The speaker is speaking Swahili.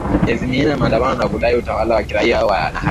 miezi minne ya maandamano ya kudai utawala wa kiraia na haki